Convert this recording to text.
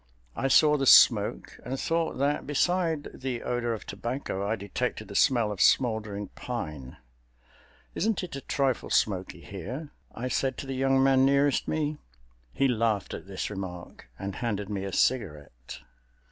I saw the smoke and thought that beside the odor of tobacco I detected the smell of smoldering pine. "Isn't it a trifle smoky here?" I said to the young man nearest me. He laughed at this remark and handed me a cigarette.